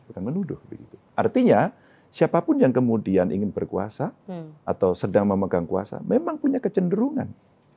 bukan menuduh begitu artinya siapapun yang kemudian ingin berkuasa atau sedang memegang kuasa memang punya kecenderungan